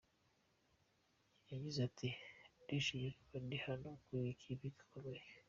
Yagize ati “Ndishimye kuba ndi hano mu iyi kipe ikomeye.